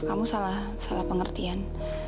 kamu salah salah pengertian